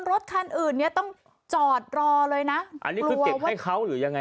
รถคันอื่นเนี้ยต้องจอดรอเลยนะอันนี้คือเก็บให้เขาหรือยังไง